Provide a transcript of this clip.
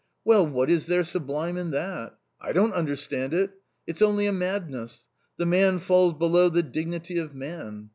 Well, what is there sublime in that ? I don't understand it ; it's only a mad ness — the man falls below the dignity of man.